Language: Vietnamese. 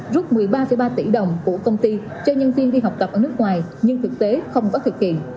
rút một mươi ba ba tỷ đồng của công ty cho nhân viên đi học tập ở nước ngoài nhưng thực tế không có thực hiện